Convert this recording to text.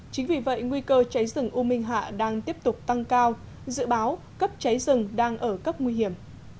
chính vì vậy nguy cơ cháy rừng u minh hạ đang tiếp tục tăng cao dự báo cấp cháy rừng đang ở cấp nguy hiểm